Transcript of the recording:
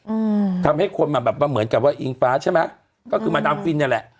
อืมทำให้คนมาแบบว่าเหมือนกับว่าอิงฟ้าใช่ไหมก็คือมาดามฟินเนี่ยแหละ